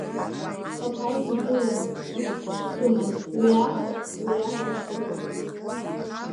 Схаҭа исыздыруамызт ус ишсымаз, уи аҟара, уи аҟара шсылаз.